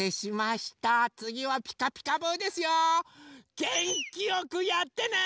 げんきよくやってね！